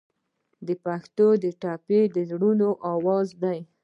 د پښتو ټپې د زړونو اواز دی.